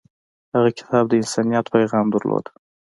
هغه کتاب د انسانیت پیغام درلود.